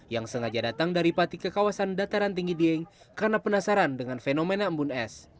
yang sengaja datang dari pati ke kawasan dataran tinggi dieng karena penasaran dengan fenomena embun es